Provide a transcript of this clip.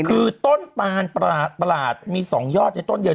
คือต้นตานประหลาดมี๒ยอดในต้นเดียว